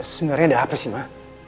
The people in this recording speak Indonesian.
sebenarnya ada apa sih mbak